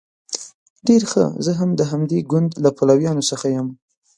ډیر ښه زه هم د همدې ګوند له پلویانو څخه یم.